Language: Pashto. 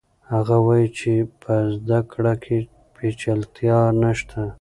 هغه وایي چې په زده کړه کې پیچلتیا نشته.